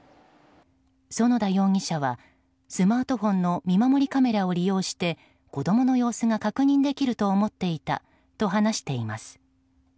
其田容疑者はスマートフォンの見守りカメラを利用して、子供の様子が確認できると思っていたと話しています。